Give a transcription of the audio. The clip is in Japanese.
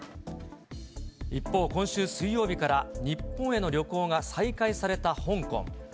一方、今週水曜日から、日本への旅行が再開された香港。